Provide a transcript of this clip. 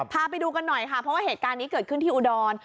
พาไปดูกันหน่อยค่ะเพราะว่าเหตุการณ์นี้เกิดขึ้นที่อุดร